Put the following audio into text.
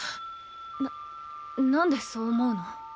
ななんでそう思うの？